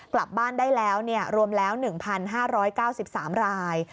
กลับบ้านได้แล้วรวมแล้ว๑๕๙๓ราย